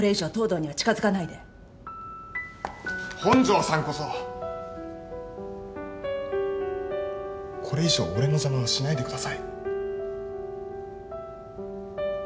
本庄さんこそこれ以上俺の邪魔はしないでください。